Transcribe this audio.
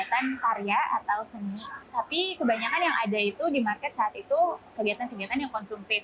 kegiatan karya atau seni tapi kebanyakan yang ada itu di market saat itu kegiatan kegiatan yang konsumtif